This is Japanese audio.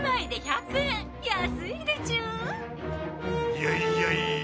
いやいやいや。